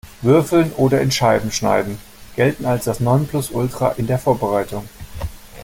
Würfeln oder in Scheiben schneiden gelten als das Nonplusultra in der Vorbereitung.